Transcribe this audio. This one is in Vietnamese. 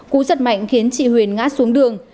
cú giật mạnh khiến chị huyền ngã xuống đường